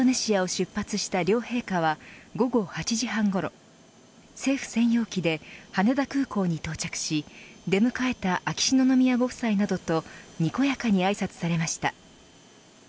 出発した両陛下は午後８時半ごろ政府専用機で羽田空港に到着し出迎えた秋篠宮ご夫妻などとにこやかにあいさつされました。